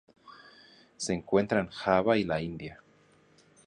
Se encuentra en Java y la India.